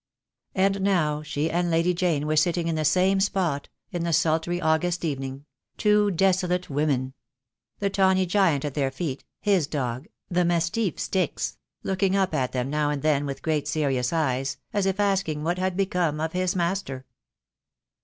And now she and Lady Jane were sitting in the same spot, in the sultry August evening, two desolate women; the tawny giant at their feet, his dog, the mastiff Styx, 142 THE DAY WILL COME. looking up at them now and then with great serious eyes, as if asking what had become of his master.